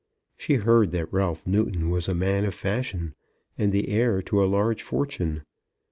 She heard that Ralph Newton was a man of fashion, and the heir to a large fortune.